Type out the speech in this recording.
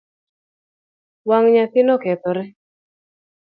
Wang nyathino okethore .